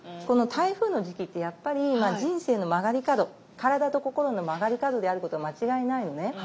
この台風の時期ってやっぱり人生の曲がり角体と心の曲がり角であることは間違いないのね。